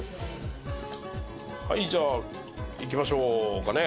はいじゃあいきましょうかね。